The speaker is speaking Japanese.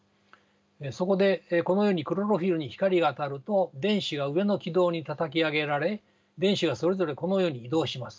そこでこのようにクロロフィルに光が当たると電子が上の軌道にたたき上げられ電子がそれぞれこのように移動します。